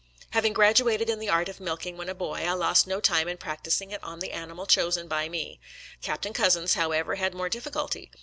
Hav ing graduated in the art of milking when a boy, I lost no time in practicing it on the animal chosen by me. Captain Cussons, however, had more difficulty.